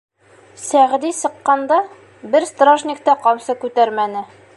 Сәғди сыҡҡанда, бер стражник та ҡамсы күтәрмәне.